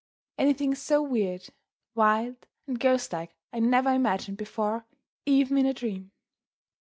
Anything so weird, wild, and ghostlike I never imagined before even in a dream!